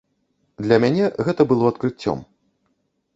Для мяне гэта было адкрыццём.